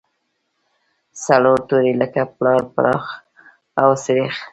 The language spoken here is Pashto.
څلور توري لکه پلار، پراخ او سرېښ.